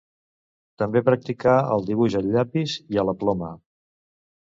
També practicà el dibuix al llapis i a la ploma.